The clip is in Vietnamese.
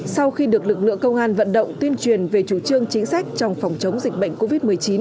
sau khi được lực lượng công an vận động tuyên truyền về chủ trương chính sách trong phòng chống dịch bệnh covid một mươi chín